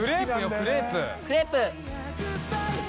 クレープ。